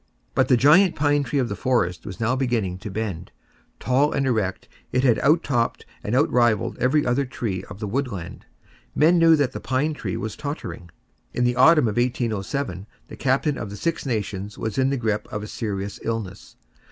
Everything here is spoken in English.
But the giant pine tree of the forest was now beginning to bend. Tall and erect, it had out topped and outrivalled every other tree of the woodland. Men knew that that pine tree was tottering. In the autumn of 1807 the Captain of the Six Nations was in the grip of a serious illness.